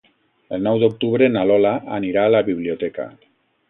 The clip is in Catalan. El nou d'octubre na Lola anirà a la biblioteca.